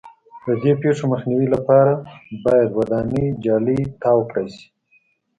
د دې پېښو مخنیوي لپاره باید ودانۍ جالۍ تاو کړای شي.